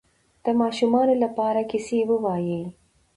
د ماشومانو لپاره کیسې ووایئ.